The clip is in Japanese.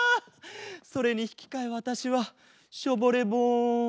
それにひきかえわたしはショボレボン。